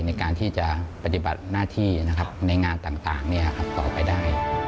ในการที่จะปฏิบัติหน้าที่ในงานต่างต่อไปได้